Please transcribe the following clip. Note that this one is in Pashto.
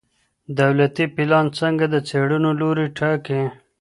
دولتي پلان څنګه د څېړنو لوری ټاکي؟